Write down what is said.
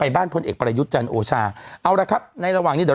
บ้านพลเอกประยุทธ์จันทร์โอชาเอาละครับในระหว่างนี้เดี๋ยว